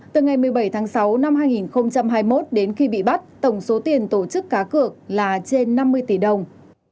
từ ngày một mươi bảy tháng sáu năm hai nghìn hai mươi một đến khi bị bắt tổng số tiền tổ chức cá cược là trên năm mươi tỷ đồng